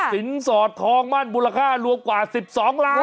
สอดทองมั่นมูลค่ารวมกว่า๑๒ล้าน